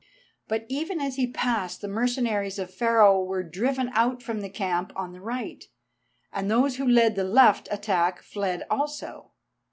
But even as he passed the mercenaries of Pharaoh were driven out from the camp on the right, and those who led the left attack fled also.